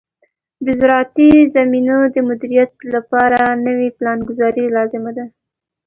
د زراعتي زمینو د مدیریت لپاره نوې پلانګذاري لازم ده.